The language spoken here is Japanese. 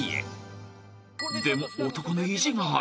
［でも男の意地がある］